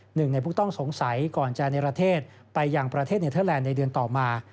หนึ่งในผู้ต้องสงสัยก่อนจะในประเทศไปยังประเทศเนเทอร์แลนด์ในเดือนต่อมา